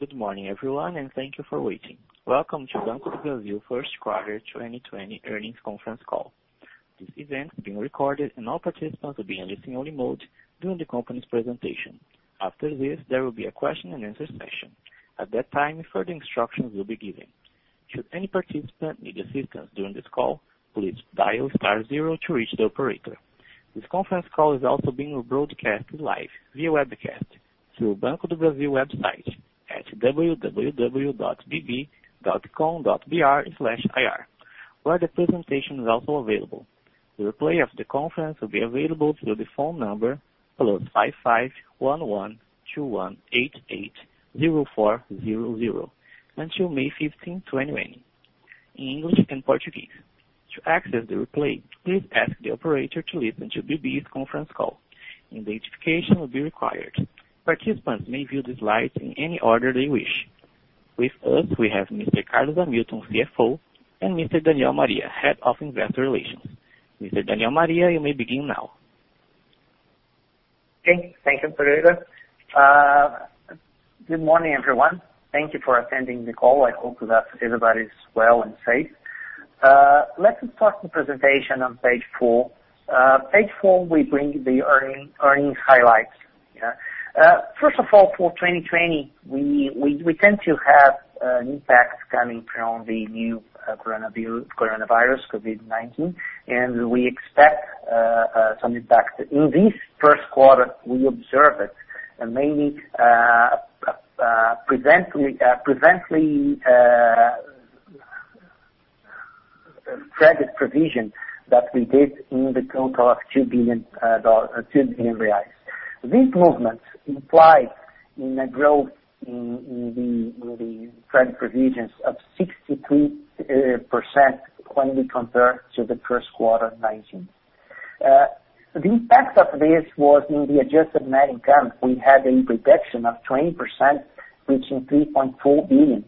Good morning, everyone, and thank you for waiting. Welcome to Banco do Brasil 1st Quarteri 2020 earnings conference call. This event is being recorded, and all participants will be in listen-only mode during the company's presentation. After this, there will be a question-and-answer session. At that time, further instructions will be given. Should any participant need assistance during this call, please dial star zero to reach the operator. This conference call is also being broadcast live via webcast through Banco do Brasil website at www.bb.com.br/ir, where the presentation is also available. The replay of the conference will be available through the phone number +55 11 2188-0400 until May 15, 2020, in English and Portuguese. To access the replay, please ask the operator to listen to BB's conference call. Identification will be required. Participants may view the slides in any order they wish. With us, we have Mr. Hamilton Vasconcelos Araújo, CFO, and Mr. Daniel Alves Maria, Head of Investor Relations. Mr. Daniel Alves Maria, you may begin now. Thank you, thank you, Federico. Good morning, everyone. Thank you for attending the call. I hope that everybody's well and safe. Let's start the presentation on page four. Page four, we bring the earnings highlights. First of all, for 2020, we tend to have an impact coming from the new coronavirus, COVID-19, and we expect some impact in this first quarter. We observe it, mainly presently. Credit provision that we did in the total of 2 billion. This movement implies a growth in the credit provisions of 63% when we compare to the first quarter of 2019. The impact of this was in the adjusted net income. We had a reduction of 20%, reaching 3.4 billion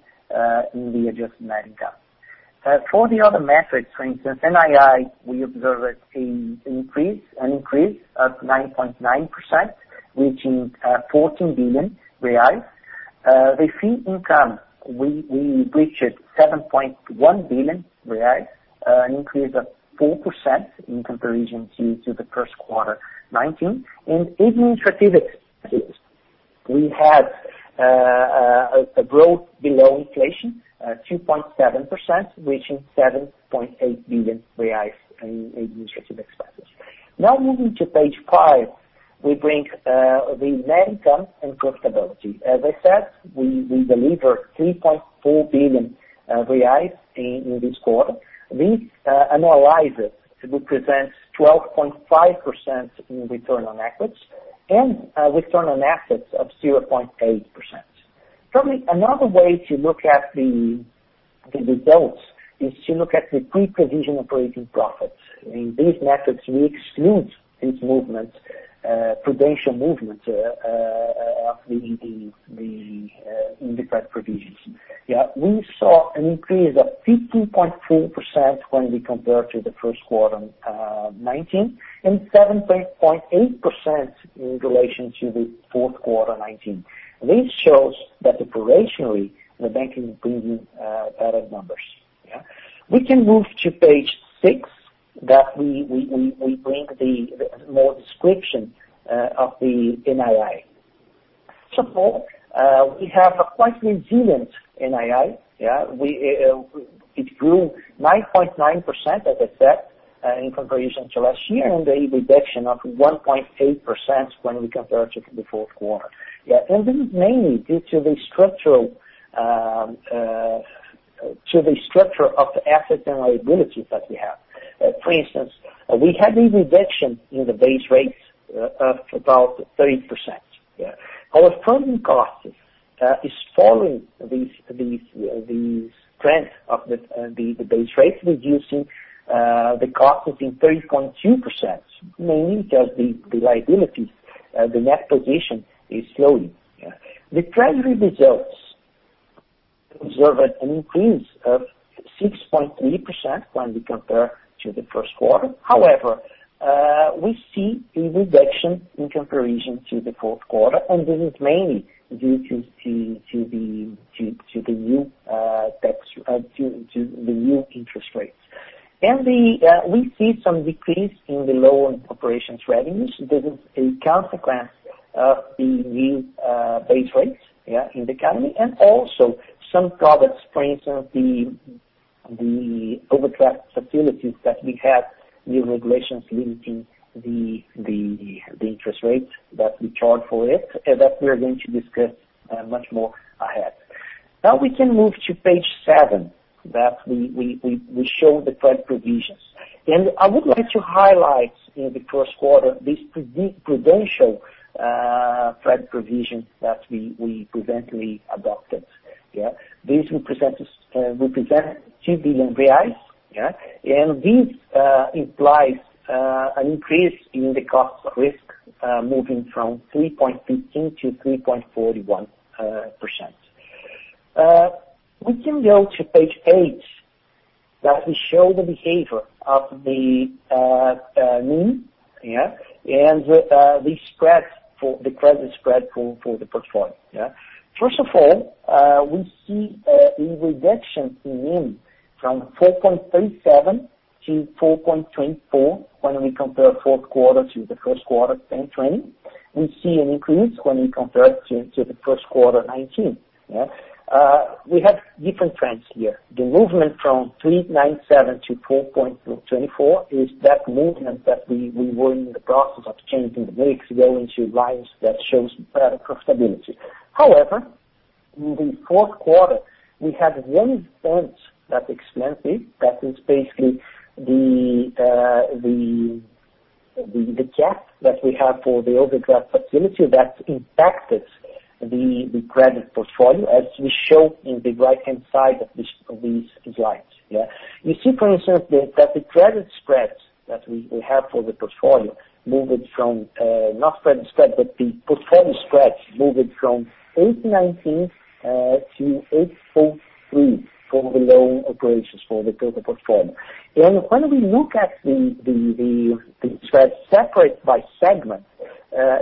in the adjusted net income. For the other metrics, for instance, NII, we observe an increase of 9.9%, reaching 14 billion real. The fee income, we reached 7.1 billion real, an increase of 4% in comparison to the first quarter of 2019. In administrative expenses, we had a growth below inflation, 2.7%, reaching 7.8 billion reais in administrative expenses. Now, moving to page five, we bring the net income and profitability. As I said, we delivered 3.4 billion reais in this quarter. This analyzes to represent 12.5% in return on equity and return on assets of 0.8%. Probably another way to look at the results is to look at the pre-provision operating profits. In these metrics, we exclude these movements, prudential movements of the independent provisions. We saw an increase of 15.4% when we compared to the first quarter of 2019 and 7.8% in relation to the fourth quarter of 2019. This shows that operationally, the bank is bringing better numbers. We can move to page six that we bring the more description of the NII. First of all, we have a quite resilient NII. It grew 9.9%, as I said, in comparison to last year and a reduction of 1.8% when we compared to the fourth quarter, and this is mainly due to the structure of the assets and liabilities that we have. For instance, we had a reduction in the base rate of about 30%. Our funding cost is following the trend of the base rate, reducing the costs in 30.2%, mainly because the liabilities, the net position is slowing. The treasury results observed an increase of 6.3% when we compare to the first quarter. However, we see a reduction in comparison to the fourth quarter, and this is mainly due to the new interest rates, and we see some decrease in the loan operations revenues. This is a consequence of the new base rates in the economy and also some products, for instance, the overdraft facilities that we have, new regulations limiting the interest rate that we charge for it, that we're going to discuss much more ahead. Now, we can move to page seven that we show the credit provisions, and I would like to highlight in the first quarter this prudential credit provision that we presently adopted. This represents 2 billion reais, and this implies an increase in the cost of risk moving from 3.15% to 3.41%. We can go to page eight that we show the behavior of the NIM and the credit spread for the portfolio. First of all, we see a reduction in NIM from 4.37% to 4.24% when we compare fourth quarter to the first quarter of 2020. We see an increase when we compare to the first quarter of 2019. We have different trends here. The movement from 3.97 to 4.24 is that movement that we were in the process of changing the mix going to lines that shows better profitability. However, in the fourth quarter, we had one point that expanded, that is basically the gap that we have for the overdraft facility that impacted the credit portfolio, as we show in the right-hand side of these slides. You see, for instance, that the credit spread that we have for the portfolio moved from not credit spread, but the portfolio spread moved from 8.19 to 8.43 for the loan operations for the portfolio. When we look at the spread separate by segment,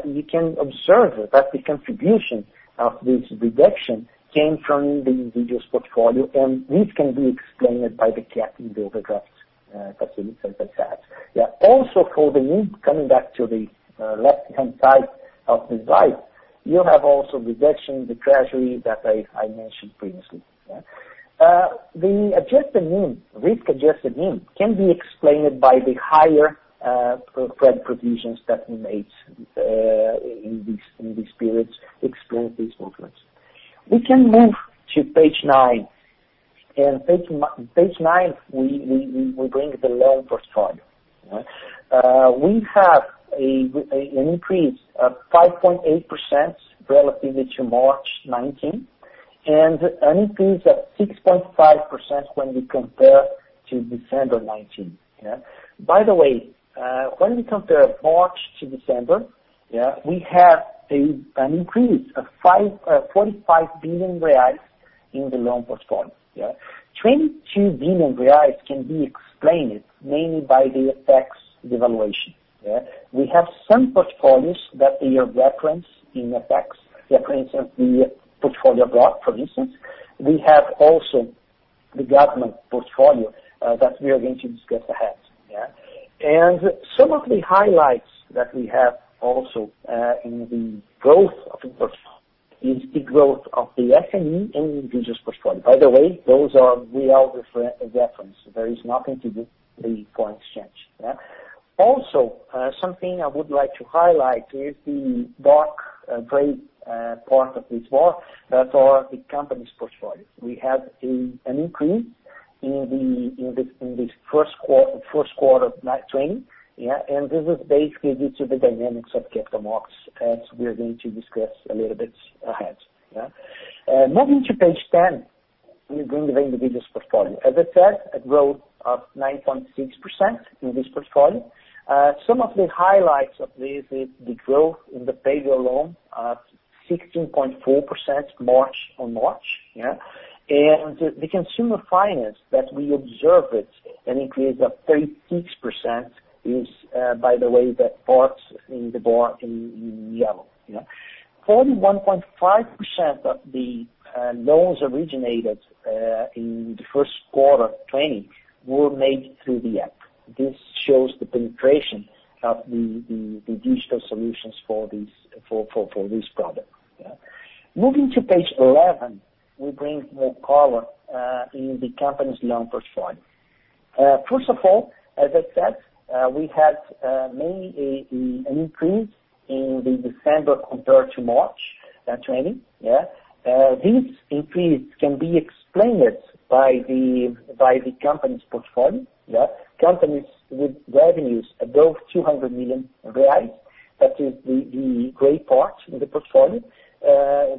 you can observe that the contribution of this reduction came from the individual's portfolio, and this can be explained by the gap in the overdraft facilities, as I said. Also, for the NIM, coming back to the left-hand side of the slide, you have also reduction in the treasury that I mentioned previously. The adjusted NIM, risk-adjusted NIM, can be explained by the higher credit provisions that we made in these periods explaining these movements. We can move to page nine. Page nine, we bring the loan portfolio. We have an increase of 5.8% relative to March 2019 and an increase of 6.5% when we compare to December 2019. By the way, when we compare March to December, we have an increase of 45 billion reais in the loan portfolio. 22 billion reais can be explained mainly by the FX evaluation. We have some portfolios that they are referenced in FX, for instance, the portfolio block, for instance. We have also the government portfolio that we are going to discuss ahead, and some of the highlights that we have also in the growth of the portfolio is the growth of the SME and the individual's portfolio. By the way, those are real referenced. There is nothing to do with the foreign exchange. Also, something I would like to highlight is the dark gray part of this bar that are the company's portfolio. We have an increase in this first quarter of 2020, and this is basically due to the dynamics of capital markets that we're going to discuss a little bit ahead. Moving to page 10, we bring the individual's portfolio. As I said, a growth of 9.6% in this portfolio. Some of the highlights of this is the growth in the payroll loan of 16.4% March on March. And the consumer finance that we observed an increase of 36% is, by the way, that part in the bar in yellow. 41.5% of the loans originated in the first quarter of 2020 were made through the app. This shows the penetration of the digital solutions for this product. Moving to page eleven, we bring more color in the company's loan portfolio. First of all, as I said, we had mainly an increase in the December compared to March 2020. This increase can be explained by the company's portfolio. Companies with revenues above 200 million reais, that is the gray part in the portfolio.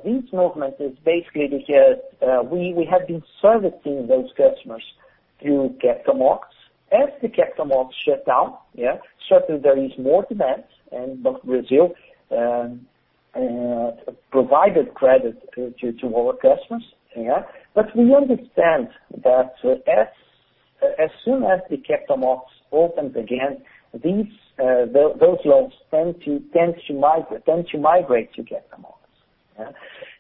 This movement is basically because we have been servicing those customers through capital markets. As the capital markets shut down, certainly there is more demand, and Brazil provided credit to our customers. But we understand that as soon as the capital markets open again, those loans tend to migrate to capital markets,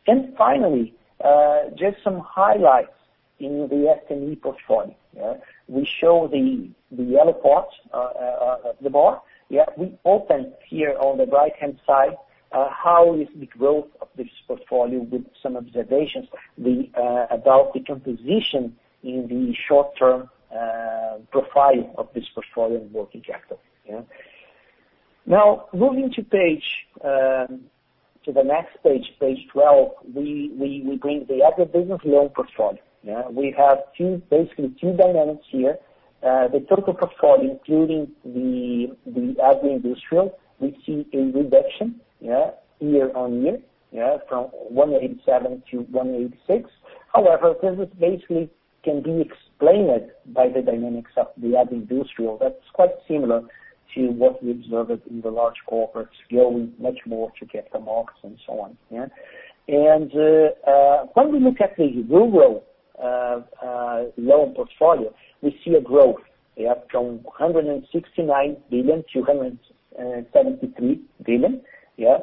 and finally, just some highlights in the SME portfolio. We show the yellow part of the bar. We open here on the right-hand side how is the growth of this portfolio with some observations about the composition in the short-term profile of this portfolio and working capital. Now, moving to the next page, page twelve, we bring the agribusiness loan portfolio. We have basically two dynamics here. The total portfolio, including the agribusiness, we see a reduction year on year from 187 to 186. However, this basically can be explained by the dynamics of the agribusiness. That's quite similar to what we observed in the large corporates going much more to capital markets and so on. And when we look at the rural loan portfolio, we see a growth from 169 billion BRL to 173 billion BRL.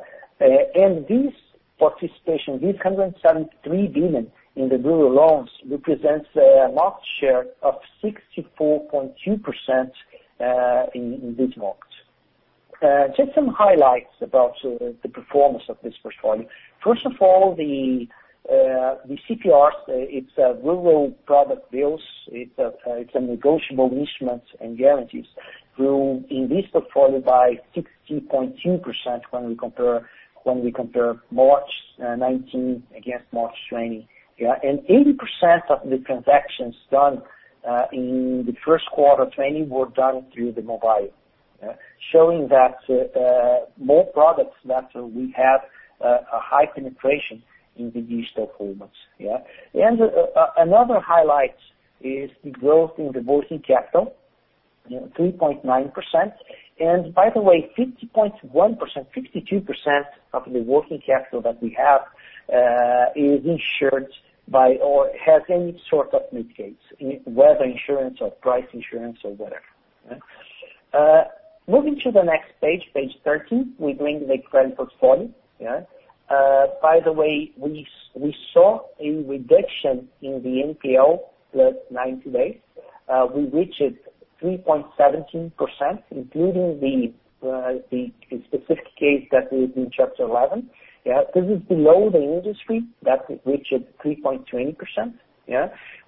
And this participation, this 173 billion BRL in the rural loans represents a market share of 64.2% in this market. Just some highlights about the performance of this portfolio. First of all, the CPRs, it's rural product bills. It's a negotiable instrument and guarantees grown in this portfolio by 60.2% when we compare March 2019 against March 2020. And 80% of the transactions done in the first quarter of 2020 were done through the mobile, showing that more products that we have a high penetration in the digital formats. And another highlight is the growth in the working capital, 3.9%. And by the way, 52% of the working capital that we have is insured by or has any sort of mitigation, whether insurance or price insurance or whatever. Moving to the next page, page 13, we bring the credit portfolio. By the way, we saw a reduction in the NPL plus 90 days. We reached 3.17%, including the specific case that we did in Chapter 11. This is below the industry that reached 3.20%.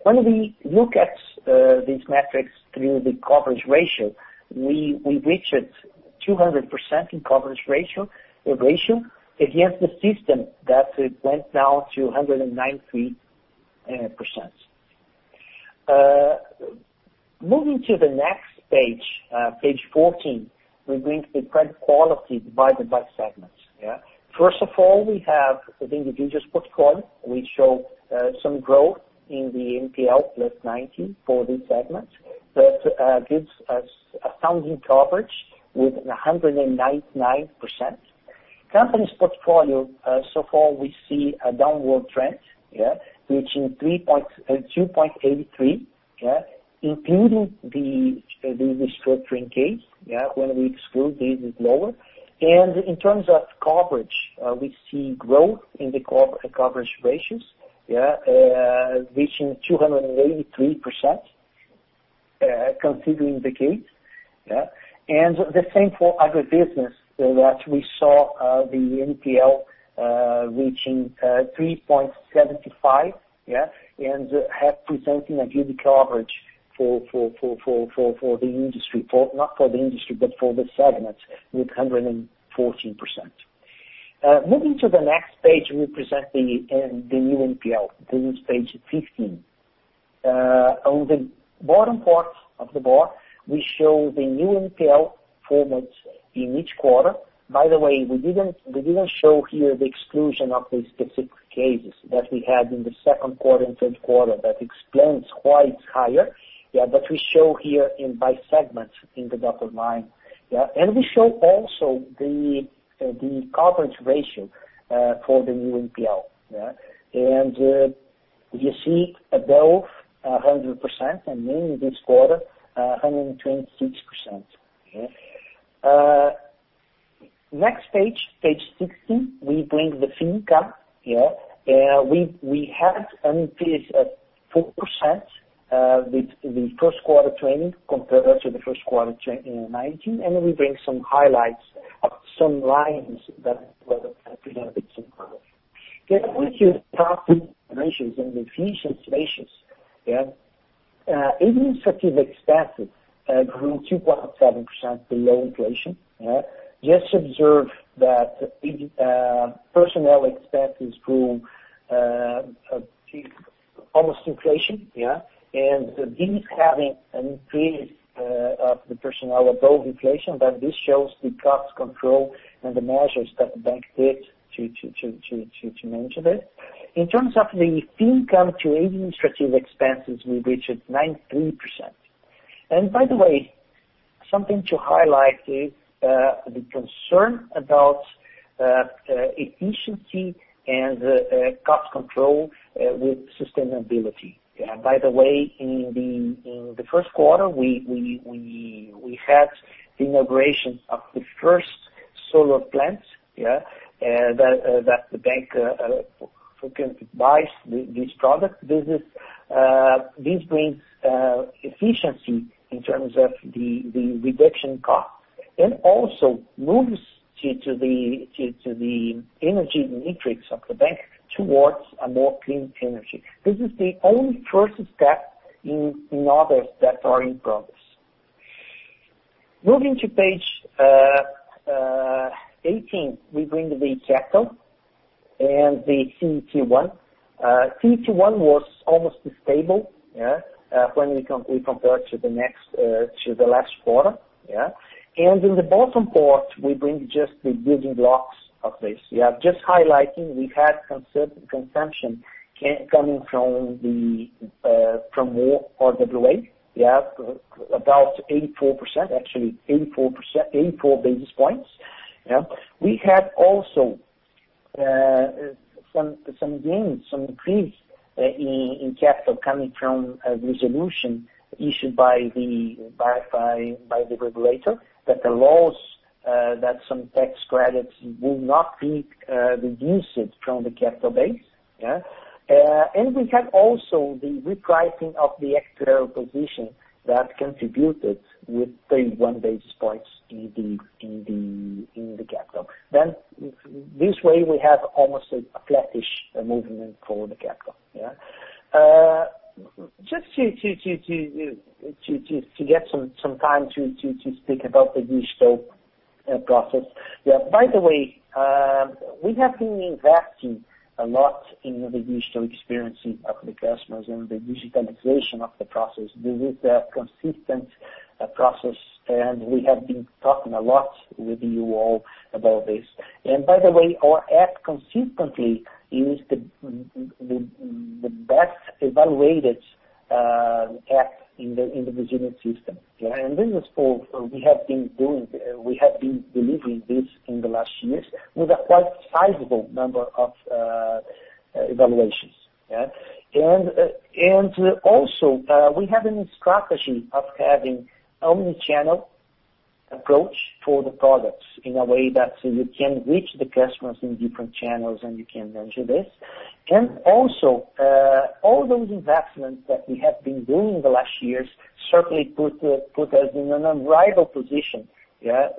When we look at these metrics through the coverage ratio, we reached 200% in coverage ratio against the system that went down to 193%. Moving to the next page, page 14, we bring the credit quality divided by segments. First of all, we have the individual's portfolio. We show some growth in the NPL plus 90 for this segment that gives us a sound coverage with 199%. Company's portfolio, so far, we see a downward trend, reaching 2.83%, including the restructuring case. When we exclude these, it's lower, and in terms of coverage, we see growth in the coverage ratios, reaching 283%, considering the case. And the same for agribusiness that we saw the NPL reaching 3.75% and have presented a good coverage for the industry, not for the industry, but for the segments with 114%. Moving to the next page, we present the new NPL, the new page fifteen. On the bottom part of the bar, we show the new NPL format in each quarter. By the way, we didn't show here the exclusion of the specific cases that we had in the second quarter and third quarter that explains why it's higher. But we show here by segment in the dotted line, and we show also the coverage ratio for the new NPL. You see above 100% and mainly this quarter, 126%. Next page, page sixteen, we bring the Fee Income. We had an increase of 4% with the first quarter trailing compared to the first quarter in 2019. We bring some highlights of some lines that were presented similar. We can start with ratios and the efficiency ratios. Administrative expenses grew 2.7% below inflation. Just observe that personnel expenses grew almost inflation. These having an increase of the personnel above inflation, this shows the cost control and the measures that the bank did to manage this. In terms of the Fee Income to administrative expenses, we reached 93%. By the way, something to highlight is the concern about efficiency and cost control with sustainability. By the way, in the first quarter, we had the inauguration of the first solar plants that the bank could buy this product. This brings efficiency in terms of the reduction cost and also moves to the energy metrics of the bank towards a more clean energy. This is the only first step in others that are in progress. Moving to page 18, we bring the capital and the CET1. CET1 was almost stable when we compared to the last quarter. In the bottom part, we bring just the building blocks of this. Just highlighting, we had consumption coming from RWA, about 84 basis points, actually 84 basis points. We had also some gains, some increase in capital coming from a resolution issued by the regulator that allows that some tax credits will not be reduced from the capital base. We had also the repricing of the extraordinary position that contributed with 31 basis points in the capital. Then this way, we have almost a flattish movement for the capital. Just to get some time to speak about the digital process. By the way, we have been investing a lot in the digital experience of the customers and the digitalization of the process. This is a consistent process, and we have been talking a lot with you all about this, and by the way, our app consistently is the best evaluated app in the Brazilian system, and this is for we have been doing we have been delivering this in the last years with a quite sizable number of evaluations, and also, we have a new strategy of having an omnichannel approach for the products in a way that you can reach the customers in different channels and you can manage this. Also, all those investments that we have been doing the last years certainly put us in an unrivaled position at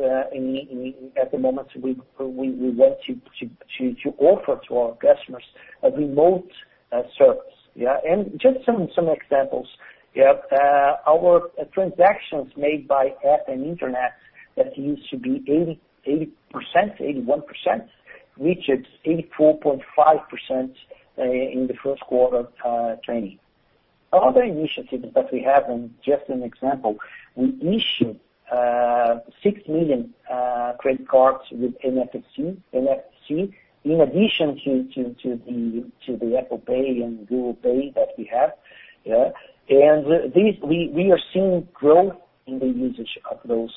the moment we want to offer to our customers a remote service. Just some examples, our transactions made by app and internet that used to be 80%, 81%, reached 84.5% in the first quarter. Other initiatives that we have, and just an example, we issued 6 million credit cards with NFC in addition to the Apple Pay and Google Pay that we have. We are seeing growth in the usage of those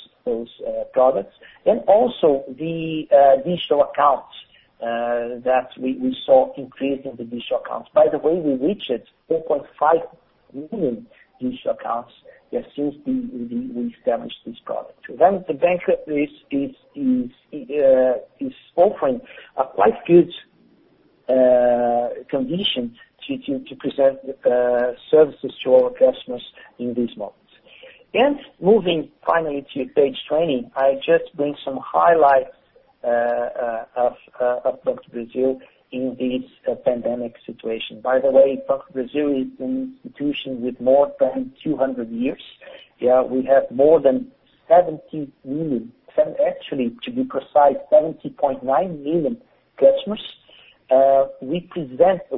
products. Also the digital accounts that we saw an increase in the digital accounts. By the way, we reached 4.5 million digital accounts since we established this product. The bank is offering quite good conditions to present services to our customers in these markets. Moving finally to page twenty, I just bring some highlights of Banco do Brasil in this pandemic situation. By the way, Banco do Brasil is an institution with more than 200 years. We have more than 70 million, actually, to be precise, 70.9 million customers.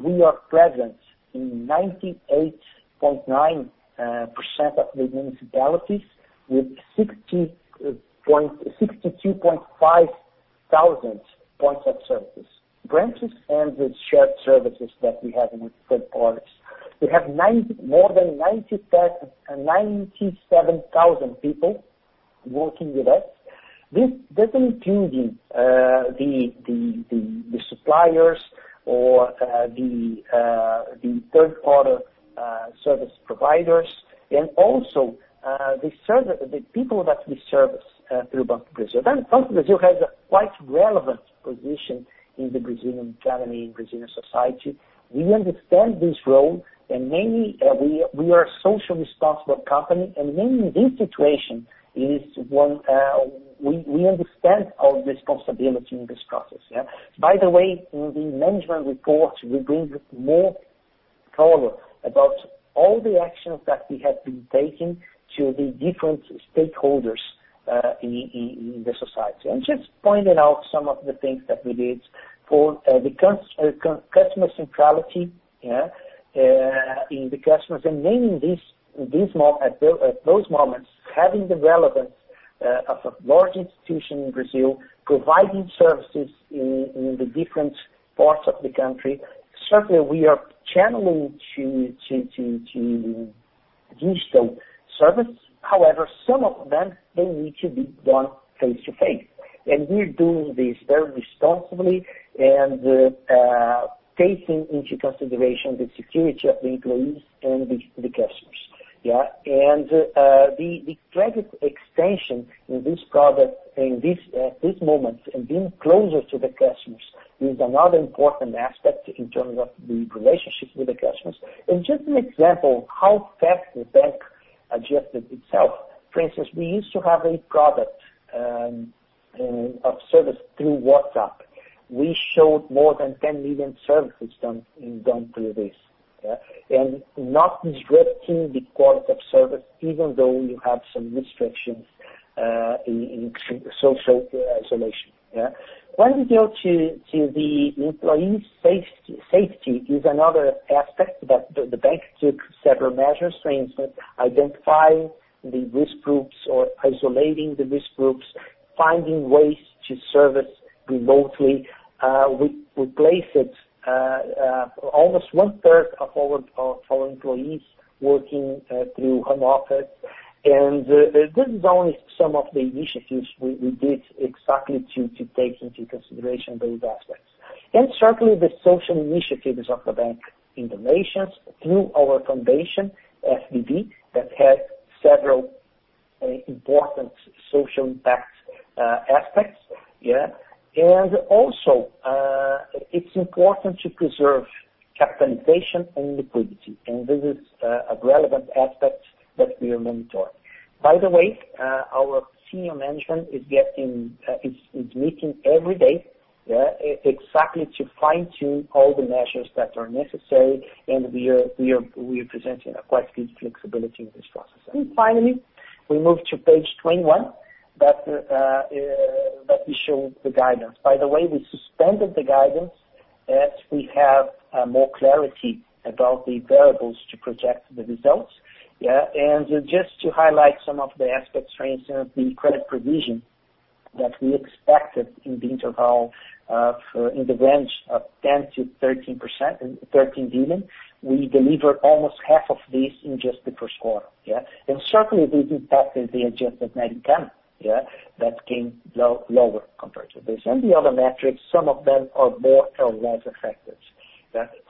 We are present in 98.9% of the municipalities with 62.5 thousand points of services, branches, and shared services that we have with third parties. We have more than 97,000 people working with us. This doesn't include the suppliers or the third-party service providers. Also the people that we service through Banco do Brasil. Banco do Brasil has a quite relevant position in the Brazilian economy, in Brazilian society. We understand this role, and we are a socially responsible company. In this situation, we understand our responsibility in this process. By the way, in the management report, we bring more color about all the actions that we have been taking to the different stakeholders in the society. And just pointing out some of the things that we did for the customer centrality in the customers. And mainly at those moments, having the relevance of a large institution in Brazil providing services in the different parts of the country, certainly we are channeling to digital service. However, some of them, they need to be done face-to-face. And we're doing this very responsibly and taking into consideration the security of the employees and the customers. And the credit extension in this product at this moment and being closer to the customers is another important aspect in terms of the relationship with the customers. And just an example of how fast the bank adjusted itself. For instance, we used to have a product or service through WhatsApp. We showed more than 10 million services done through this. And not disrupting the quality of service, even though you have some restrictions in social isolation. When we go to the employee safety, it's another aspect that the bank took several measures. For instance, identifying the risk groups or isolating the risk groups, finding ways to service remotely. We placed almost one-third of our employees working through home office. And this is only some of the initiatives we did exactly to take into consideration those aspects. And certainly, the social initiatives of the bank in the nation through our foundation, FBB, that had several important social impact aspects. And also, it's important to preserve capitalization and liquidity. And this is a relevant aspect that we are monitoring. By the way, our senior management is meeting every day exactly to fine-tune all the measures that are necessary. And we are presenting a quite good flexibility in this process. And finally, we moved to page twenty-one that we show the guidance. By the way, we suspended the guidance as we have more clarity about the variables to project the results. And just to highlight some of the aspects, for instance, the credit provision that we expected in the interval in the range of 10 billion-13 billion, we delivered almost half of this in just the first quarter. And certainly, these impacted the adjusted net income that came lower compared to this. And the other metrics, some of them are more or less effective.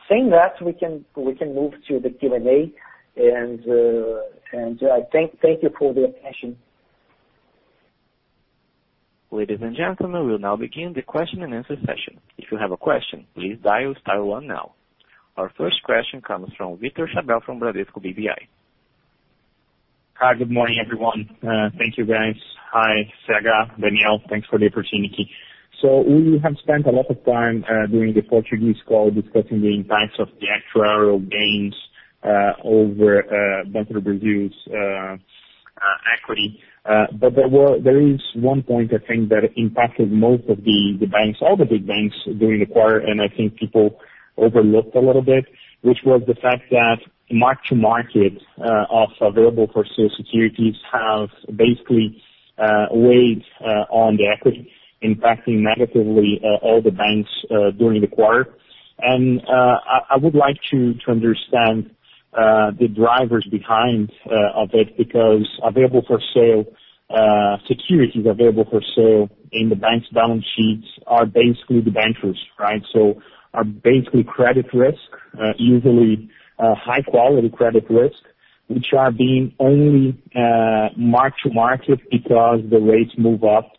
Saying that, we can move to the Q&A. And I thank you for the attention. Ladies and gentlemen, we'll now begin the question and answer session. If you have a question, please dial star one now. Our first question comes from Victor Schabbel from Bradesco BBI. Hi, good morning, everyone. Thank you, guys. Hi, Janaína, Daniel, thanks for the opportunity. So we have spent a lot of time doing the Portuguese call discussing the impacts of the actuarial gains over Banco do Brasil's equity. But there is one point, I think, that impacted most of the banks, all the big banks during the quarter, and I think people overlooked a little bit, which was the fact that the mark-to-market of available-for-sale securities has basically weighed on the equity, impacting negatively all the banks during the quarter. And I would like to understand the drivers behind it because available-for-sale securities available for sale in the bank's balance sheets are basically the bonds, right? So are basically credit risk, usually high-quality credit risk, which are being only mark-to-market because the rates move up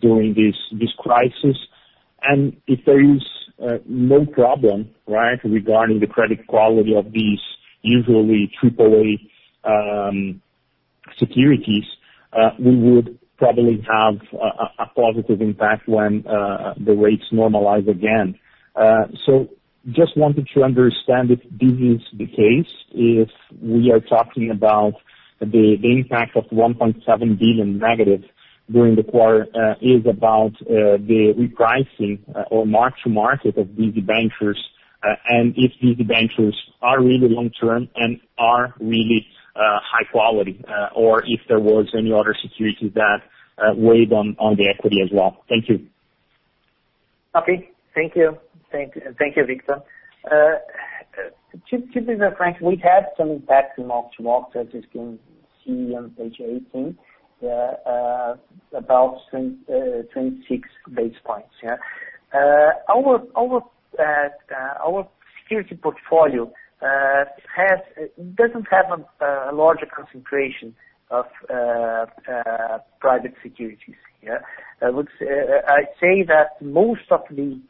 during this crisis. And if there is no problem regarding the credit quality of these usually AAA securities, we would probably have a positive impact when the rates normalize again. So just wanted to understand if this is the case, if we are talking about the impact of 1.7 billion negative during the quarter is about the repricing or mark-to-market of these bonds, and if these bonds are really long-term and are really high quality, or if there was any other security that weighed on the equity as well. Thank you. Okay. Thank you. Thank you, Victor. To be frank, we've had some impact in month-to-month, as you can see on page 18, about 26 basis points. Our securities portfolio doesn't have a larger concentration of private securities. I would say that most of the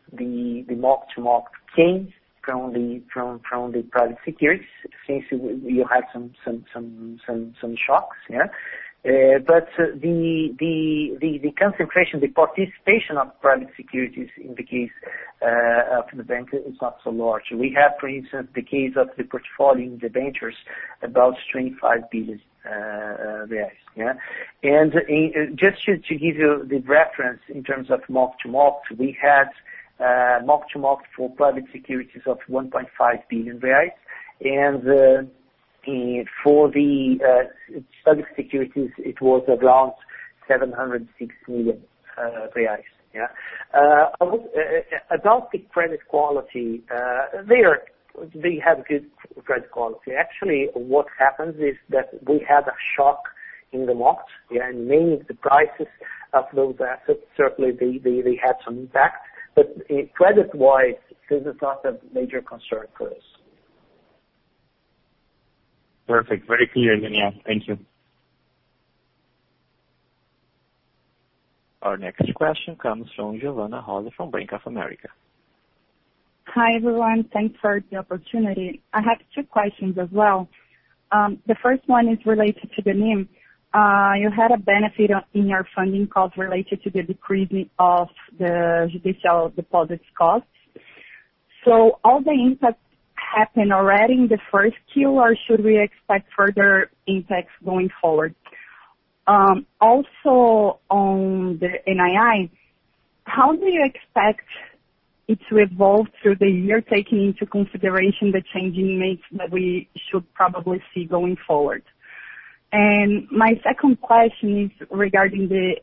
month-to-month gains from the private securities, since you had some shocks. But the concentration, the participation of private securities in the case of the bank is not so large. We have, for instance, the case of the portfolio in the BB's, about 25 billion BRL. Just to give you the reference in terms of month-to-month, we had month-to-month for private securities of 1.5 billion BRL. For the public securities, it was around 706 million reais. About the credit quality, they have good credit quality. Actually, what happens is that we had a shock in the months, and mainly the prices of those assets, certainly they had some impact. But credit-wise, this is not a major concern for us. Perfect. Very clear, Daniel. Thank you. Our next question comes from Giovanna Rosa from Bank of America. Hi, everyone. Thanks for the opportunity. I have two questions as well. The first one is related to the NIM. You had a benefit in your funding costs related to the decreasing of the judicial deposits costs. So all the impacts happened already in the first Q, or should we expect further impacts going forward? Also, on the NII, how do you expect it to evolve through the year, taking into consideration the changing rates that we should probably see going forward? And my second question is regarding the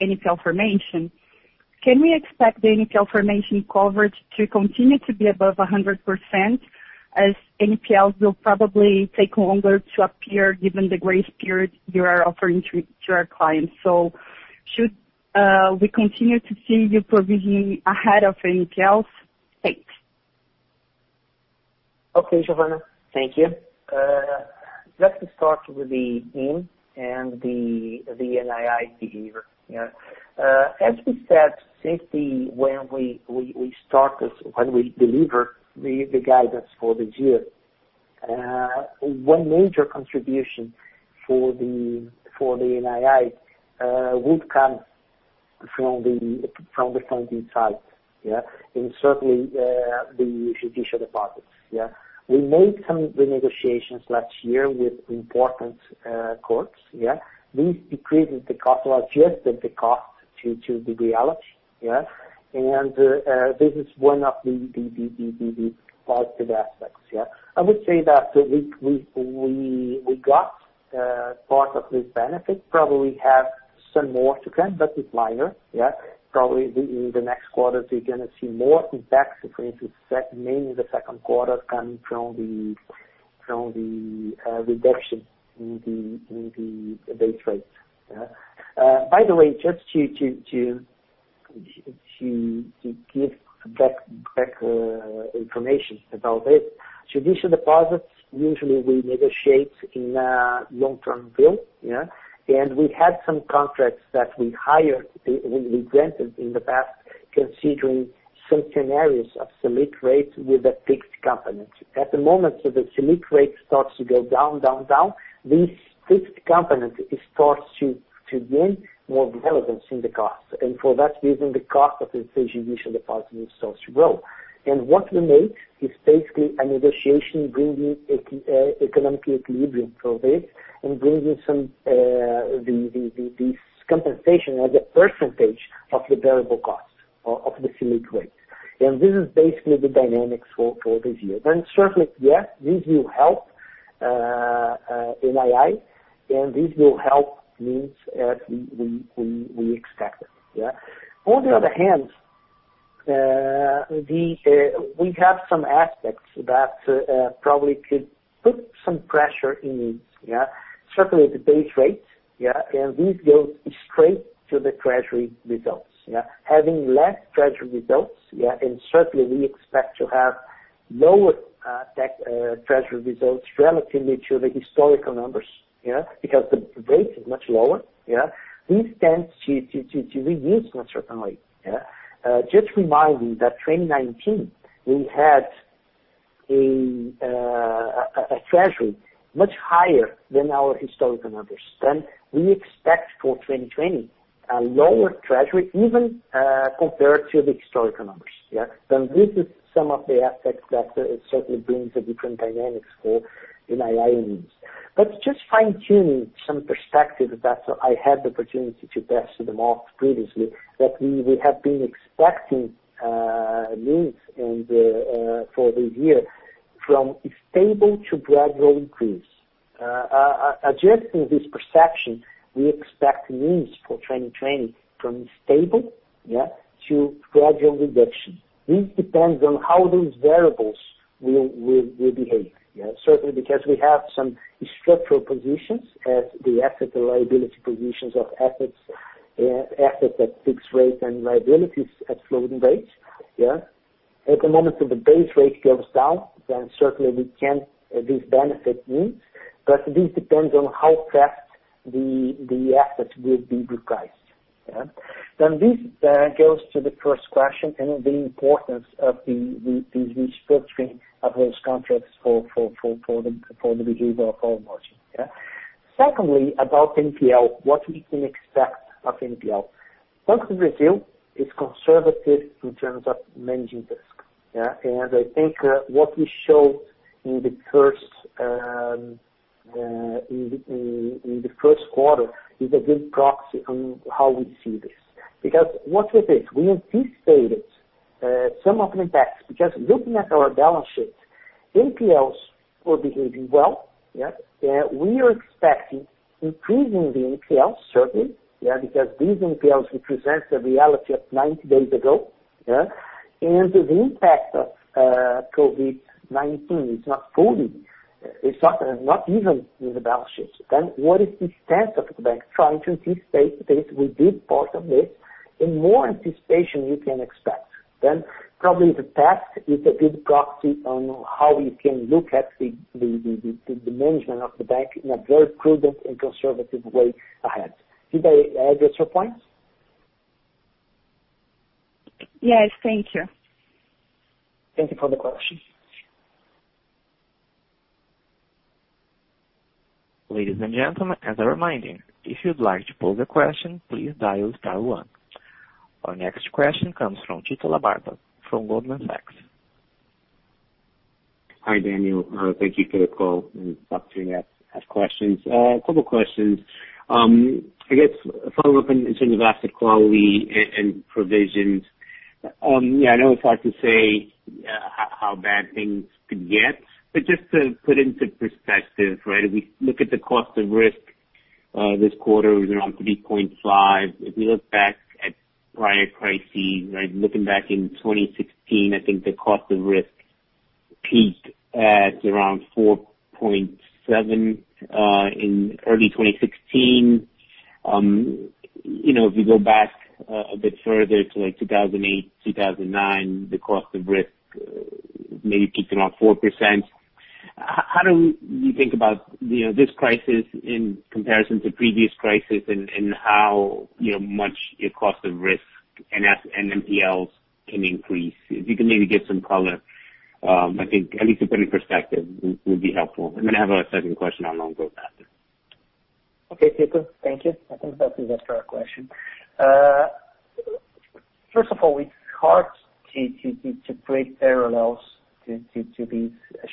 NPL formation. Can we expect the NPL formation coverage to continue to be above 100%, as NPLs will probably take longer to appear given the grace period you are offering to our clients? Should we continue to see you provisioning ahead of NPLs? Thanks. Okay, Giovanna. Thank you. Let's start with the NIM and the NII behavior. As we said, since when we started, when we delivered the guidance for this year, one major contribution for the NII would come from the funding side, and certainly the judicial deposits. We made some renegotiations last year with important courts. This decreased the cost, or adjusted the cost to the reality. And this is one of the positive aspects. I would say that we got part of this benefit. Probably we have some more to come, but it's minor. Probably in the next quarter, we're going to see more impacts, mainly the second quarter coming from the reduction in the base rate. By the way, just to give back information about it, judicial deposits, usually we negotiate in a long-term bill. And we had some contracts that we hired, we granted in the past, considering some scenarios of Selic rates with a fixed component. At the moment, if the Selic rate starts to go down, down, down, this fixed component starts to gain more relevance in the cost. And for that reason, the cost of the judicial deposit will start to grow. And what we made is basically a negotiation bringing economic equilibrium for this and bringing some of this compensation as a percentage of the variable cost of the Selic rate. And this is basically the dynamics for this year. And certainly, yes, this will help NII, and this will help NIM as we expected. On the other hand, we have some aspects that probably could put some pressure in these. Certainly, the base rate, and these go straight to the treasury results. Having less treasury results, and certainly we expect to have lower treasury results relative to the historical numbers because the rate is much lower, this tends to reduce in a certain way. Just reminding that in 2019, we had a treasury much higher than our historical numbers. Then we expect for 2020, a lower treasury, even compared to the historical numbers. Then this is some of the aspects that certainly brings a different dynamics for NII and NIMS. But just fine-tuning some perspectives that I had the opportunity to pass to the market previously, that we have been expecting NIMS for this year from stable to gradual increase. Adjusting this perception, we expect NIMS for 2020 from stable to gradual reduction. This depends on how those variables will behave. Certainly, because we have some structural positions as the asset and liability positions of assets at fixed rates and liabilities at floating rates. At the moment the base rate goes down, then certainly we can't benefit NIMs, but this depends on how fast the assets will be repriced. Then this goes to the first question and the importance of the restructuring of those contracts for the behavior of the NIM. Secondly, about NPL, what we can expect of NPL. Banco do Brasil is conservative in terms of managing risk, and I think what we showed in the first quarter is a good proxy on how we see this. Because what we did, we anticipated some of the impacts because looking at our balance sheet, NPLs were behaving well. We are expecting increasing the NPLs, certainly, because these NPLs represent the reality of 90 days ago. The impact of COVID-19 is not even in the balance sheet. What is the stance of the bank? Trying to anticipate this will be part of this, and more anticipation you can expect. Probably the path is a good proxy on how we can look at the management of the bank in a very prudent and conservative way ahead. Did I address your points? Yes, thank you. Thank you for the question. Ladies and gentlemen, as a reminder, if you'd like to pose a question, please dial star one. Our next question comes from Tito Labarta from Goldman Sachs. Hi, Daniel. Thank you for the call. I'd love to have questions. A couple of questions. I guess follow-up in terms of asset quality and provisions. Yeah, I know it's hard to say how bad things could get, but just to put into perspective, right, if we look at the cost of risk this quarter, it was around 3.5. If we look back at prior crises, right, looking back in 2016, I think the cost of risk peaked at around 4.7 in early 2016. If we go back a bit further to 2008, 2009, the cost of risk maybe peaked around 4%. How do you think about this crisis in comparison to previous crises and how much your cost of risk and NPLs can increase? If you can maybe give some color, I think at least to put in perspective would be helpful. I'm going to have a second question on long-term assets. Okay, Tito, thank you. I think that's the extra question. First of all, it's hard to create parallels to this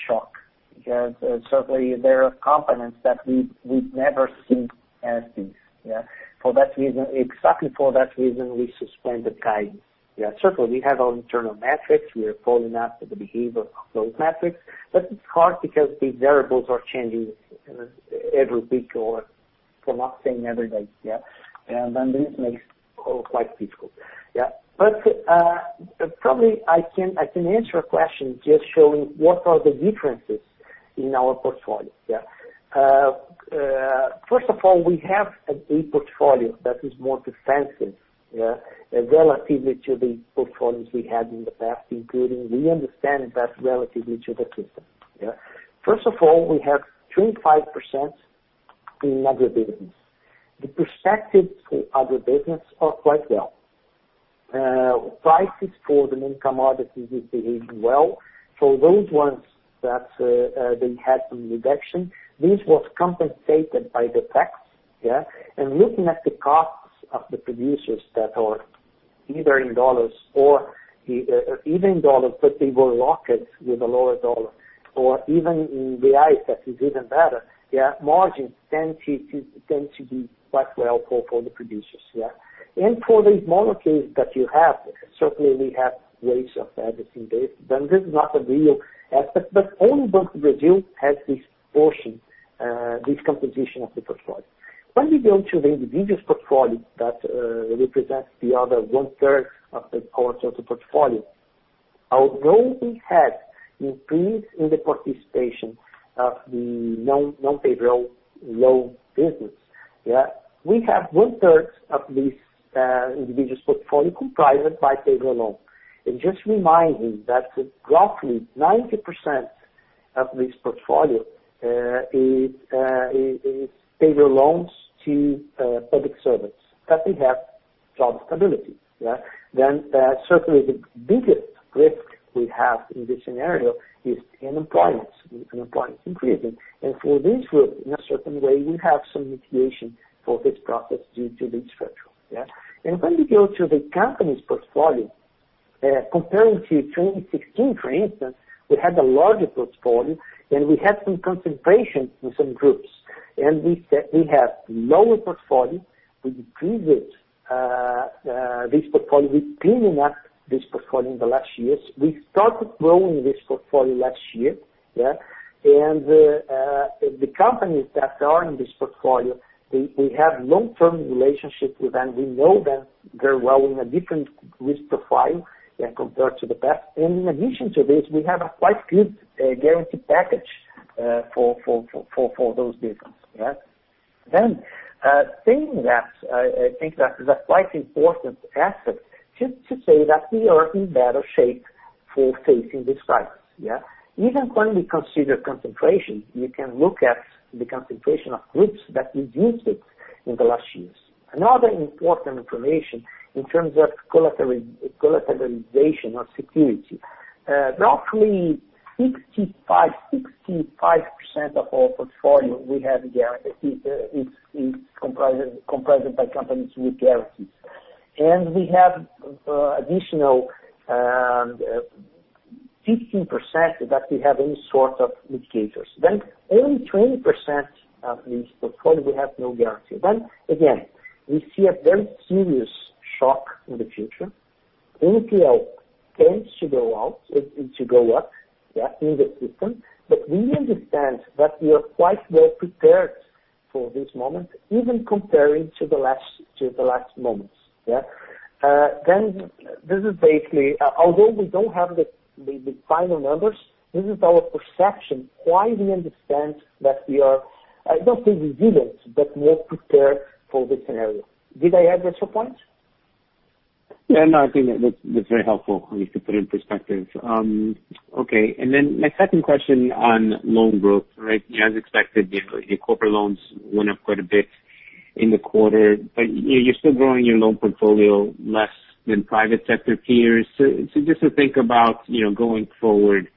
shock because certainly there are components that we've never seen like these. For that reason, exactly for that reason, we suspended guidance. Certainly, we have our internal metrics. We are following up the behavior of those metrics, but it's hard because these variables are changing every week or, not to say, every day. And then this makes it quite difficult. But probably I can answer your question just showing what are the differences in our portfolio. First of all, we have a portfolio that is more defensive relative to the portfolios we had in the past, including we understand that relative to the system. First of all, we have 25% in agribusiness. The prospects for agribusiness are quite good. Prices for the main commodities are behaving well. For those ones that they had some reduction, this was compensated by the tax. Looking at the costs of the producers that are either in dollars or even in dollars, but they were locked with a lower dollar, or even in reais that is even better, margins tend to be quite well for the producers. For the smaller case that you have, certainly we have ways of addressing this. Then this is not a real aspect, but only Banco do Brasil has this portion, this composition of the portfolio. When we go to the individual's portfolio that represents the other one-third of the portfolio, although we had increased in the participation of the non-payroll loan business, we have one-third of this individual's portfolio comprised by payroll loan. Just reminding that roughly 90% of this portfolio is payroll loans to public servants that they have job stability. Then certainly the biggest risk we have in this scenario is unemployment, unemployment increasing. And for this group, in a certain way, we have some mitigation for this process due to this structure. And when we go to the company's portfolio, comparing to 2016, for instance, we had a larger portfolio and we had some concentration in some groups. And we have lower portfolio. We decreased this portfolio. We cleaned up this portfolio in the last years. We started growing this portfolio last year. And the companies that are in this portfolio, we have long-term relationships with them. We know them very well in a different risk profile compared to the past. And in addition to this, we have a quite good guarantee package for those businesses. Then saying that, I think that is a quite important asset just to say that we are in better shape for facing these crises. Even when we consider concentration, you can look at the concentration of groups that we've used in the last years. Another important information in terms of collateralization or security, roughly 65% of our portfolio we have is comprised by companies with guarantees. And we have additional 15% that we have any sort of mitigators. Then only 20% of this portfolio we have no guarantee. Then again, we see a very serious shock in the future. NPL tends to go up in the system, but we understand that we are quite well prepared for this moment, even comparing to the last moments. Then this is basically, although we don't have the final numbers, this is our perception why we understand that we are. I don't think we didn't, but more prepared for this scenario. Did I address your point? Yeah, no, I think that was very helpful. I think you put it in perspective. Okay, and then my second question on loan growth, right? As expected, your corporate loans went up quite a bit in the quarter, but you're still growing your loan portfolio less than private sector peers. So just to think about going forward,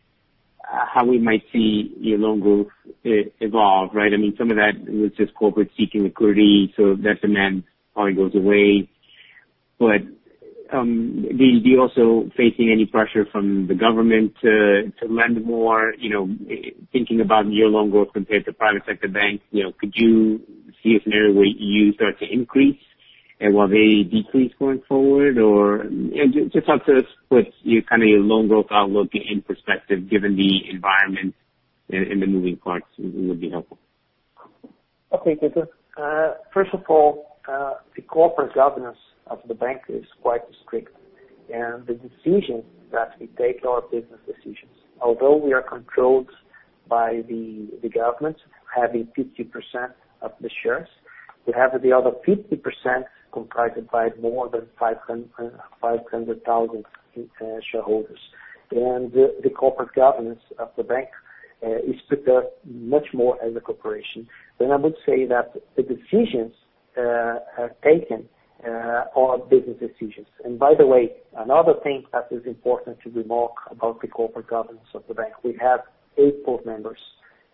how we might see your loan growth evolve, right? I mean, some of that was just corporate seeking liquidity, so that demand probably goes away. But do you also face any pressure from the government to lend more, thinking about your loan growth compared to private sector banks? Could you see a scenario where you start to increase while they decrease going forward? Or just talk to us what kind of your loan growth outlook in perspective, given the environment and the moving parts would be helpful. Okay, Tito, first of all, the corporate governance of the bank is quite strict, and the decisions that we take, our business decisions, although we are controlled by the government, having 50% of the shares, we have the other 50% comprised by more than 500,000 shareholders, and the corporate governance of the bank is prepared much more as a corporation, then I would say that the decisions taken are business decisions, and by the way, another thing that is important to remark about the corporate governance of the bank, we have eight board members.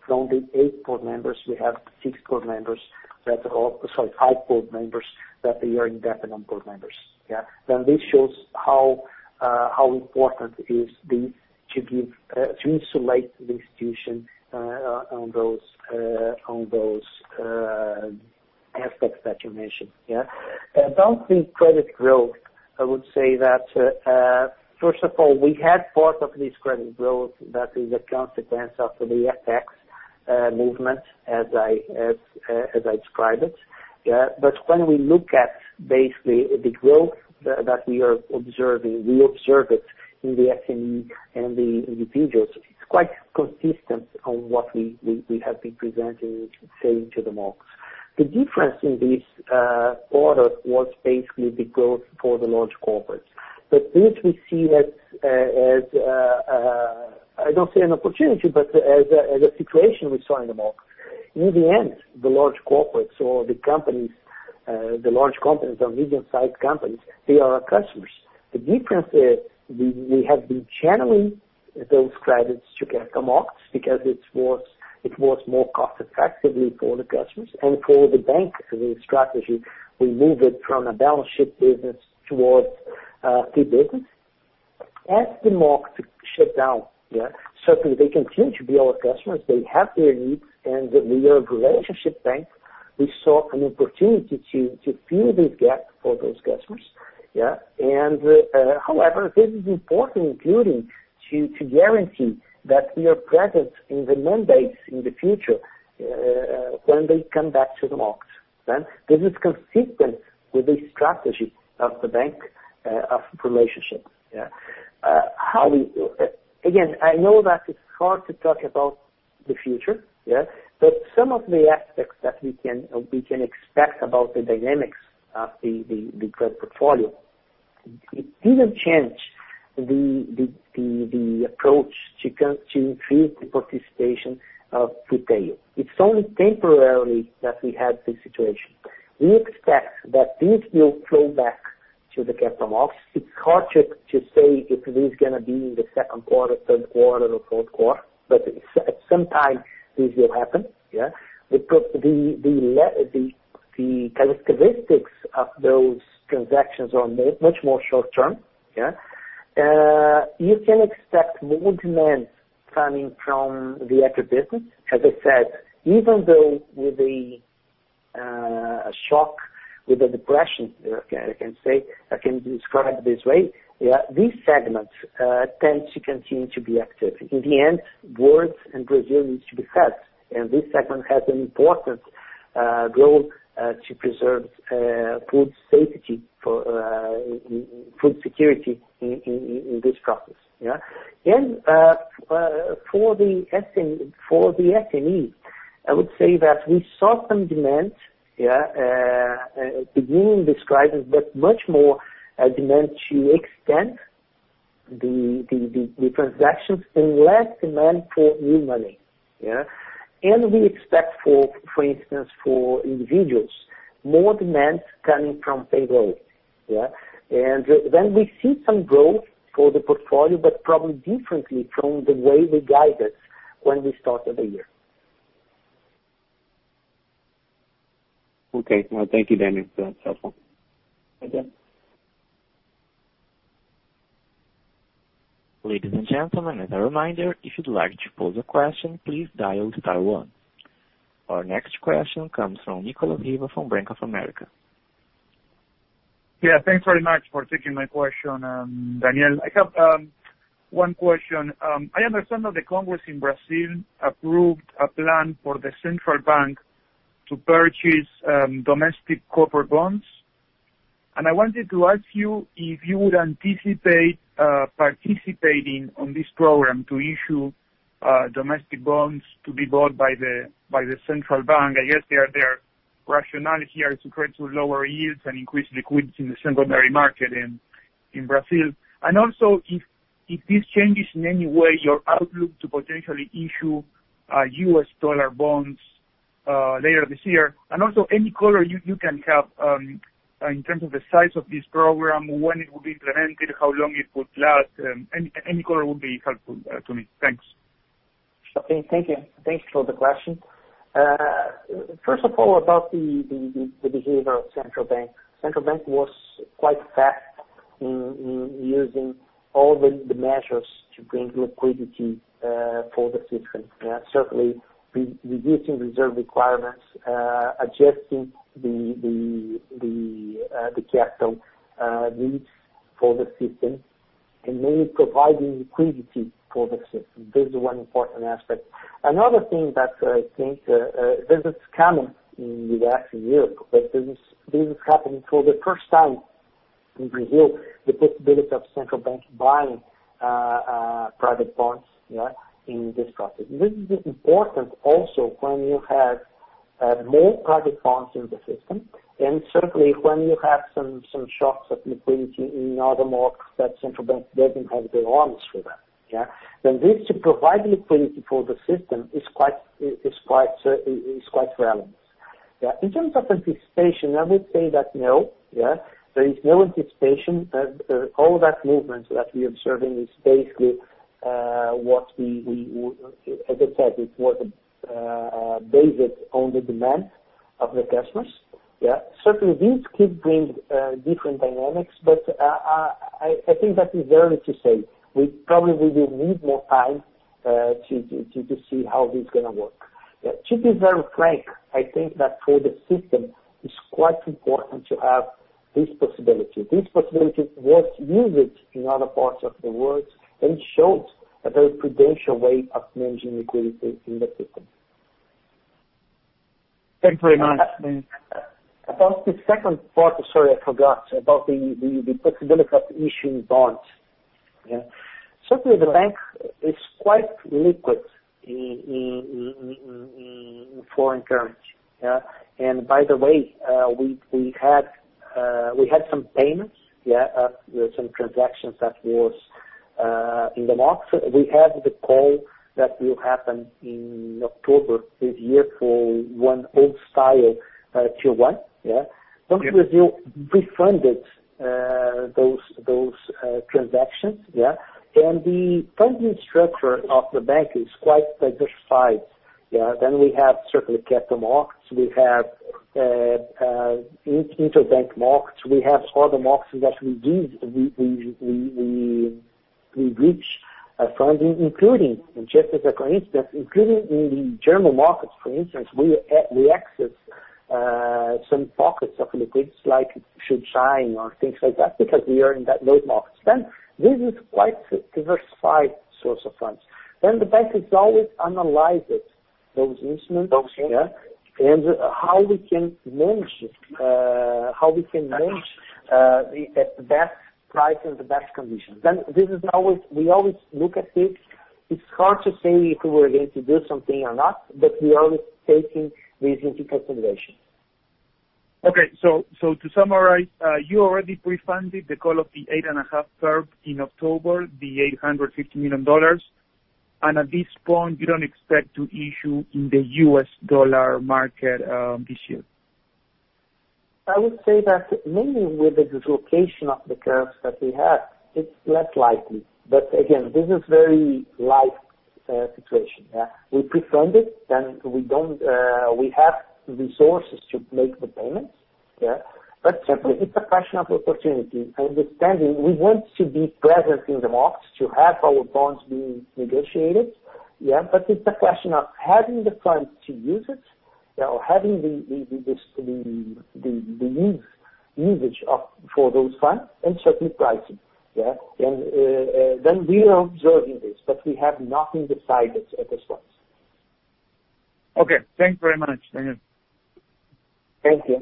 From the eight board members, we have six board members that are all, sorry, five board members that they are independent board members. Then this shows how important it is to insulate the institution from those aspects that you mentioned, and about the credit growth, I would say that first of all, we had part of this credit growth that is a consequence of the FX movement, as I described it, but when we look at basically the growth that we are observing, we observe it in the SME and the individuals. It's quite consistent with what we have been presenting and saying over the months. The difference in this quarter was basically the growth for the large corporates, but this we see as, I don't say an opportunity, but as a situation we saw over the months. In the end, the large corporates or the companies, the large companies or medium-sized companies, they are our customers. The difference is we have been channeling those credits through the markets because it was more cost-effective for the customers. And for the bank, the strategy, we moved it from a balance sheet business towards a fee business. As the markets shut down, certainly they continue to be our customers. They have their needs. And we are a relationship bank. We saw an opportunity to fill this gap for those customers. And however, this is important, including to guarantee that we are present in the mandates in the future when they come back to the markets. This is consistent with the strategy of the bank of relationships. Again, I know that it's hard to talk about the future, but some of the aspects that we can expect about the dynamics of the credit portfolio. It didn't change the approach to increase the participation of retail. It's only temporarily that we had this situation. We expect that this will flow back to the capital markets. It's hard to say if this is going to be in the second quarter, third quarter, or fourth quarter, but at some time, this will happen. The characteristics of those transactions are much more short-term. You can expect more demand coming from the agribusiness. As I said, even though with a shock, with a depression, I can say, I can describe it this way, these segments tend to continue to be active. In the end, the world and Brazil needs to be fed. And this segment has an important role to preserve food safety, food security in this process. And for the SME, I would say that we saw some demand beginning to decrease, but much more demand to extend the transactions and less demand for new money. And we expect, for instance, for individuals, more demand coming from payroll. And then we see some growth for the portfolio, but probably differently from the way we guided when we started the year. Okay, well, thank you, Daniel. That's helpful. Thank you. Ladies and gentlemen, as a reminder, if you'd like to pose a question, please dial star one. Our next question comes from Nicolo Riva from Bank of America. Yeah, thanks very much for taking my question, Daniel. I have one question. I understand that the Congress in Brazil approved a plan for the central bank to purchase domestic corporate bonds. I wanted to ask you if you would anticipate participating on this program to issue domestic bonds to be bought by the central bank. I guess their rationale here is to try to lower yields and increase liquidity in the secondary market in Brazil. And also, if this changes in any way, your outlook to potentially issue U.S. dollar bonds later this year. And also, any color you can have in terms of the size of this program, when it will be implemented, how long it would last. Any color would be helpful to me. Thanks. Okay, thank you. Thanks for the question. First of all, about the behavior of central bank. Central bank was quite fast in using all the measures to bring liquidity for the system. Certainly, reducing reserve requirements, adjusting the capital needs for the system, and mainly providing liquidity for the system. This is one important aspect. Another thing that I think this is common in the U.S. and Europe, but this is happening for the first time in Brazil, the possibility of central bank buying private bonds in this process. This is important also when you have more private bonds in the system, and certainly, when you have some shocks of liquidity in other markets that central bank doesn't have the loans for them. Then this to provide liquidity for the system is quite relevant. In terms of anticipation, I would say that no. There is no anticipation. All that movement that we are observing is basically what we, as I said, it was based on the demand of the customers. Certainly, these could bring different dynamics, but I think that is early to say. We probably will need more time to see how this is going to work. To be very frank, I think that for the system, it's quite important to have this possibility. This possibility was used in other parts of the world and showed a very prudential way of managing liquidity in the system. Thank you very much. About the second part, sorry, I forgot, about the possibility of issuing bonds. Certainly, the bank is quite liquid in foreign currency, and by the way, we had some payments, some transactions that were in the months. We had the call that will happen in October this year for one old-style Tier 1, then Brazil refunded those transactions, and the funding structure of the bank is quite diversified, then we have certainly capital markets. We have interbank markets. We have other markets that we reach funding, including just as a coincidence, including in the German markets, for instance. We access some pockets of liquidity like Schuldschein or things like that because we are in those markets. Then this is quite a diversified source of funds. Then the bank is always analyzing those instruments and how we can manage it, how we can manage the best price and the best conditions. Then we always look at this. It's hard to say if we're going to do something or not, but we are always taking these into consideration. Okay, so to summarize, you already pre-funded the call of the eight and a half curve in October, the $850 million. And at this point, you don't expect to issue in the U.S. dollar market this year? I would say that mainly with the dislocation of the curves that we have, it's less likely. But again, this is a very light situation. We pre-funded, then we have resources to make the payments. But certainly, it's a question of opportunity. I understand we want to be present in the markets to have our bonds being negotiated, but it's a question of having the funds to use it or having the usage for those funds and certainly pricing. And then we are observing this, but we have nothing decided at this point. Okay, thanks very much. Thank you. Thank you.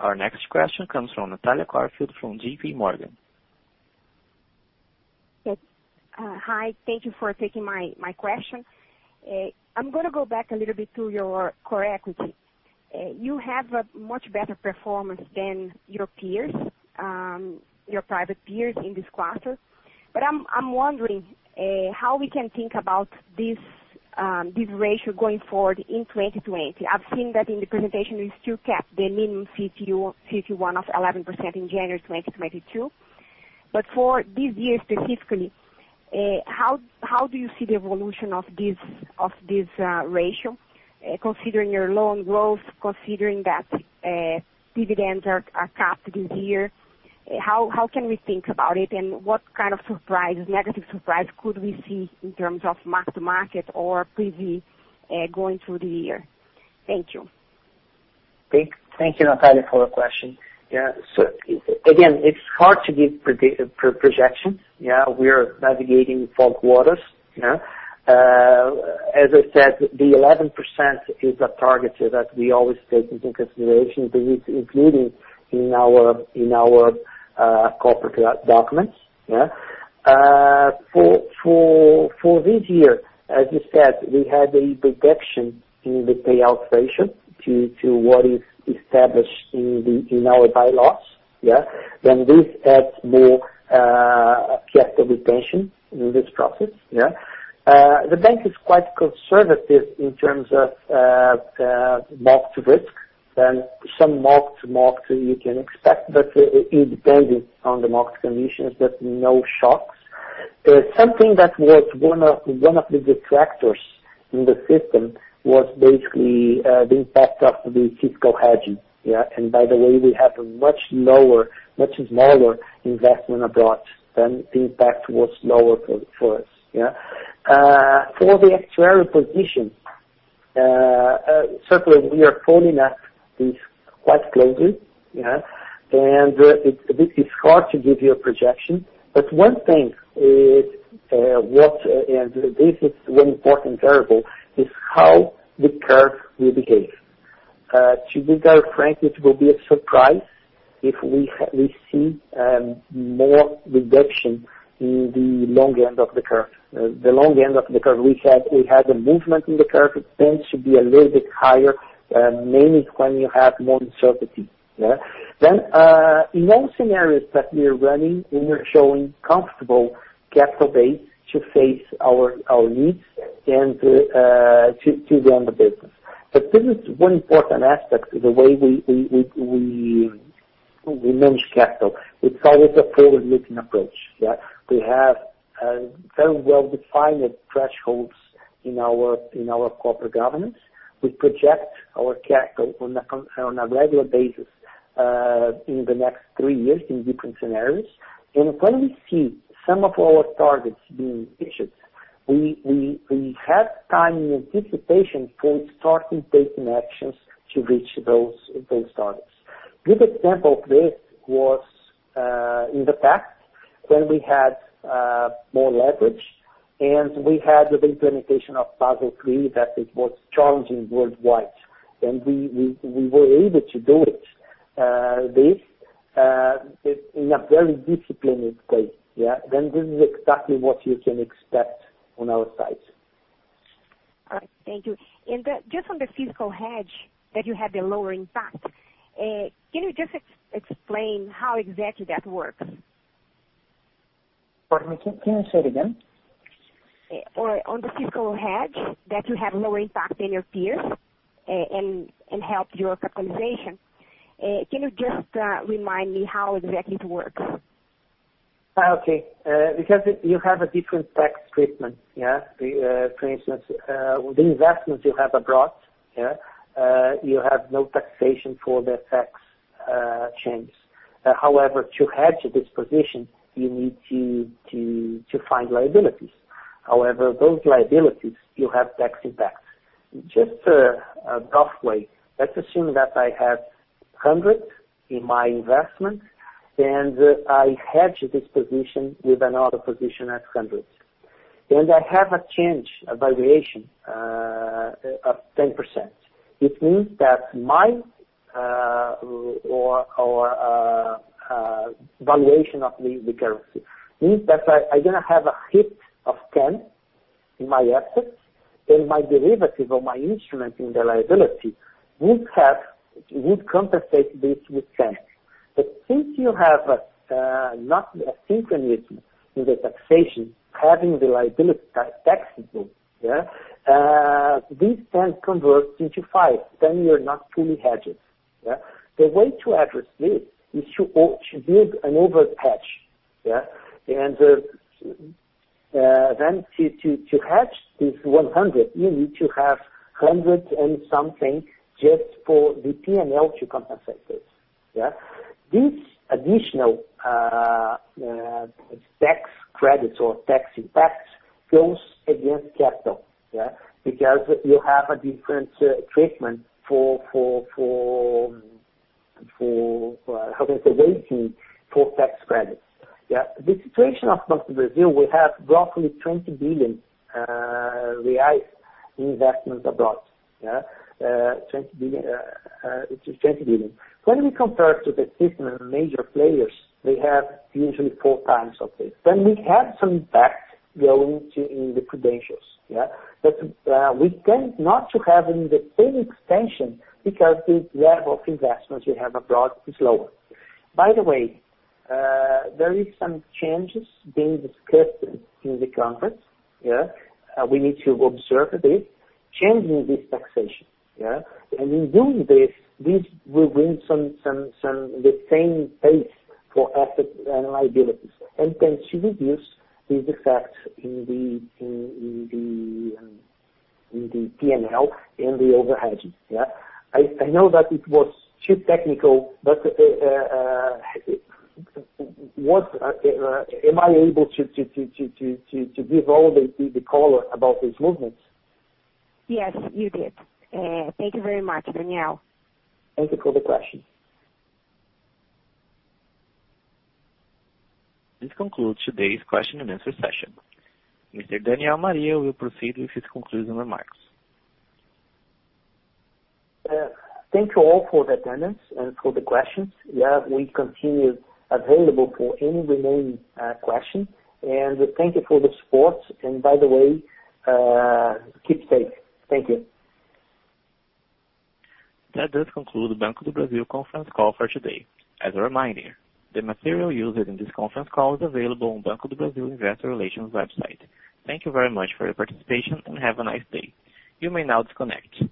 Our next question comes from Natalia Corfield from J.P. Morgan. Hi, thank you for taking my question. I'm going to go back a little bit to your core equity. You have a much better performance than your peers, your private peers in this quarter. But I'm wondering how we can think about this ratio going forward in 2020. I've seen that in the presentation, we still kept the minimum CET1 of 11% in January 2022. But for this year specifically, how do you see the evolution of this ratio considering your loan growth, considering that dividends are capped this year? How can we think about it? And what kind of surprises, negative surprise, could we see in terms of mark-to-market or provisions going through the year? Thank you. Thank you, Natalia, for the question. Again, it's hard to give projections. We are navigating foggy waters. As I said, the 11% is a target that we always take into consideration, including in our corporate documents. For this year, as we said, we had a reduction in the payout ratio to what is established in our bylaws. Then this adds more capital retention in this process. The bank is quite conservative in terms of market risk. Then some market movement you can expect, but it depends on the market conditions, but no shocks. Something that was one of the detractors in the system was basically the impact of the fiscal hedge. And by the way, we have a much smaller, much smaller investment abroad. Then the impact was lower for us. For the actuarial position, certainly, we are following this quite closely. And it's hard to give you a projection. But one thing is, and this is one important variable, is how the curve will behave. To be very frank, it will be a surprise if we see more reduction in the long end of the curve. The long end of the curve, we had a movement in the curve. It tends to be a little bit higher, mainly when you have more uncertainty. Then in all scenarios that we are running, we are showing comfortable capital base to face our needs and to run the business. But this is one important aspect of the way we manage capital. It's always a forward-looking approach. We have very well-defined thresholds in our corporate governance. We project our capital on a regular basis in the next three years in different scenarios. And when we see some of our targets being issued, we have time in anticipation for starting taking actions to reach those targets. A good example of this was in the past when we had more leverage and we had the implementation of Basel III that was challenging worldwide. And we were able to do this in a very disciplined way. Then this is exactly what you can expect on our side. All right, thank you. Just on the fiscal hedge that you have the lower impact, can you just explain how exactly that works? Pardon me, can you say it again? On the fiscal hedge that you have lower impact than your peers and help your capitalization, can you just remind me how exactly it works? Okay, because you have a different tax treatment. For instance, the investments you have abroad, you have no taxation for the tax changes. However, to hedge this position, you need to find liabilities. However, those liabilities, you have tax impacts. Just a rough way, let's assume that I have 100 in my investment and I hedge this position with another position at 100. And I have a change, a variation of 10%. It means that my valuation of the currency means that I'm going to have a hit of 10 in my assets, and my derivatives or my instruments in the liability would compensate this with 10, but since you have not a synchronism in the taxation, having the liability taxable, these 10 converts into 5. Then you're not fully hedged. The way to address this is to build an overhedge, and then to hedge this 100, you need to have 100 and something just for the P&L to compensate this. This additional tax credits or tax impacts goes against capital because you have a different treatment for, how can I say, waiting for tax credits. The situation of Brazil, we have roughly 20 billion reais investments abroad. When we compare to the system of major players, they have usually four times of this. Then we have some impact going into the prudentials. But we tend not to have the same extent because the level of investments we have abroad is lower. By the way, there are some changes being discussed in the Congress. We need to observe this, changing this taxation. And in doing this, this will bring the same base for assets and liabilities. And then to reduce these effects in the P&L and the overheads. I know that it was too technical, but am I able to give all the color about these movements? Yes, you did. Thank you very much, Daniel. Thank you for the question. This concludes today's question and answer session. Mr. Daniel Maria will proceed with his closing remarks. Thank you all for attending and for the questions. We remain available for any remaining questions. And thank you for the support. And by the way, keep safe. Thank you. That does conclude the Banco do Brasil conference call for today. As a reminder, the material used in this conference call is available on Banco do Brasil Investor Relations website. Thank you very much for your participation and have a nice day. You may now disconnect.